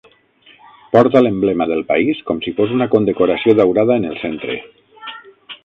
Porta l'emblema del país com si fos una condecoració daurada en el centre.